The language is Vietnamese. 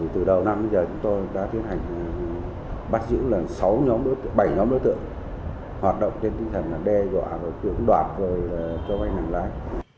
từ đầu năm đến giờ chúng tôi đã tiến hành bắt giữ lần sáu nhóm đối tượng bảy nhóm đối tượng hoạt động trên tinh thần đe dọa đoạt cho vai nặng lãi